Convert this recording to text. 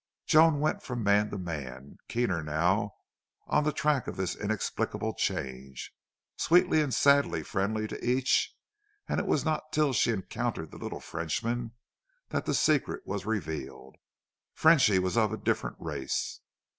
Joan went from man to man, keener now on the track of this inexplicable change, sweetly and sadly friendly to each; and it was not till she encountered the little Frenchman that the secret was revealed. Frenchy was of a different race.